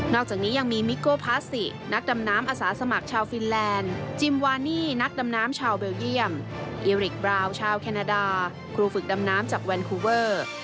อกจากนี้ยังมีมิโก้พาสินักดำน้ำอาสาสมัครชาวฟินแลนด์จิมวานี่นักดำน้ำชาวเบลเยี่ยมอิริกบราวชาวแคนาดาครูฝึกดำน้ำจากแวนคูเวอร์